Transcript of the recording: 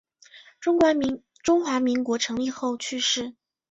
中华民国成立后去世。